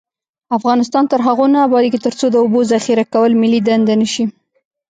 افغانستان تر هغو نه ابادیږي، ترڅو د اوبو ذخیره کول ملي دنده نشي.